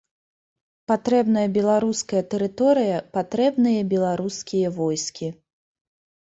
Патрэбная беларуская тэрыторыя, патрэбныя беларускія войскі.